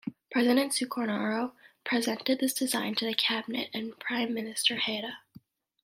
President Sukarno presented this design to the cabinet and Prime Minister Hatta.